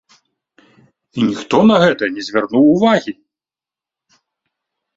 І ніхто на гэта не звярнуў увагі!